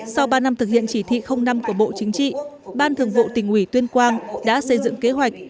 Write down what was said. sau ba năm thực hiện chỉ thị năm của bộ chính trị ban thường vụ tỉnh ủy tuyên quang đã xây dựng kế hoạch